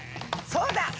そうだ！